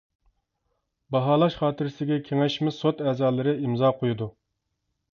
باھالاش خاتىرىسىگە كېڭەشمە سوت ئەزالىرى ئىمزا قويىدۇ.